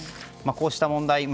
こうした問題